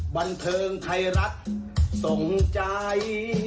บันเทิงไทยรัฐส่งใจ